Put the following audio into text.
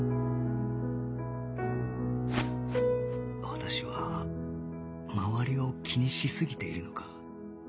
私は周りを気にしすぎているのか